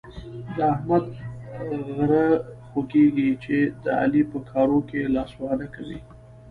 د احمد غره خوږېږي چې د علي په کارو کې لاسوهنه کوي.